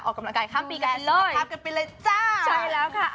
ออกกำลังกายข้ามปีก่อนไปเลย